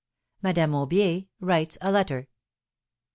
MADAME AUBIER WRITES A LETTER.